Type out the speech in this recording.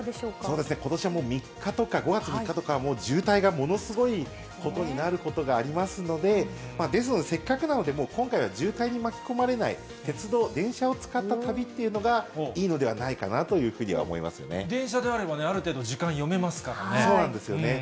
そうですね、ことしは３日とか、５月３日とかは、もう渋滞がものすごいことになることがありますので、ですので、せっかくなので、今回は渋滞に巻き込まれない、鉄道、電車を使った旅というのがいいのではないかなというふうに思いま電車であればね、ある程度、そうなんですよね。